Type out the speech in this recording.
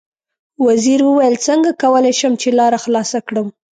وزیر وویل: څنګه کولای شم چې لاره خلاصه کړم.